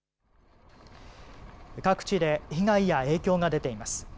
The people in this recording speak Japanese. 各地で被害や影響が出ています。